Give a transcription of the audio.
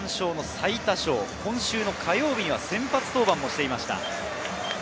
今週火曜日には先発登板もしていました。